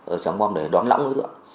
ở tràng bom để đón lõng